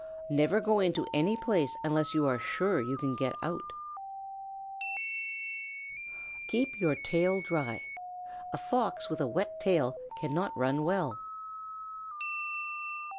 "Never go into any place unless you are sure you can get out. "Keep your tail dry. A Fox with a wet tail cannot run well.